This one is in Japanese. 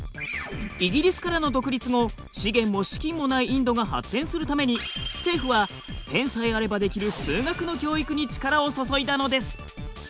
イギリスからの独立後資源も資金もないインドが発展するために政府はペンさえあればできる数学の教育に力を注いだのです。